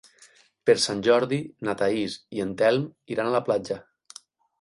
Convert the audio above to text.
Per Sant Jordi na Thaís i en Telm iran a la platja.